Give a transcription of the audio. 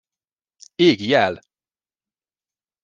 Égi jel!